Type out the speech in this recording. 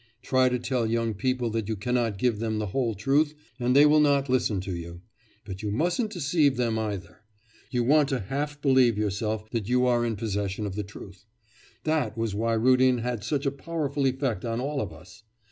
Try to tell young people that you cannot give them the whole truth, and they will not listen to you. But you mustn't deceive them either. You want to half believe yourself that you are in possession of the truth. That was why Rudin had such a powerful effect on all of us.